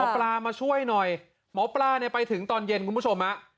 ปลามาช่วยหน่อยหมอปลาเนี่ยไปถึงตอนเย็นคุณผู้ชมฮะ